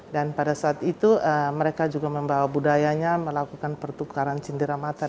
dan pada saat itu mereka juga membawa budayanya melakukan pertukaran cindera mata